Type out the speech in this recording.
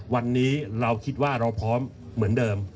วันนี้เราคิดว่าเราพร้อมเหมือนเดิม